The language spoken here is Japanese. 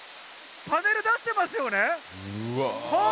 パネル出してますよね？